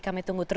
kami tunggu terus